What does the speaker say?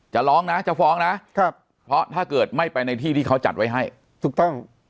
จะร้องนะจะฟ้องนะครับเพราะถ้าเกิดไม่ไปในที่ที่เขาจัดไว้ให้ถูกต้อง